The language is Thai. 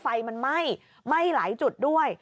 ไฟมันไหม้ไหม้หลายจุดด้วย